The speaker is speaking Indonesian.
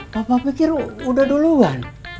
papa pikir udah duluan